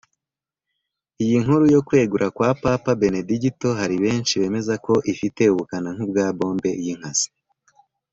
Iyi nkuru yo kwegura kwa Papa Benedigito hari benshi bemeza ko ifite ubukana nk’ubwa bombe y’inkazi